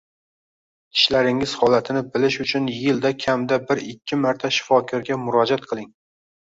Tishlaringiz holatini bilish uchun yilda kamida bir-ikki marta shifokorga murojaat qiling.